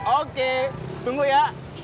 oke tunggu ya